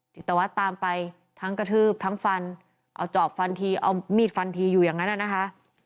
จิตวัตรตามไปทั้งกระทืบทั้งฟันเอาจอบฟันทีเอามีดฟันทีอยู่อย่างนั้นนะคะ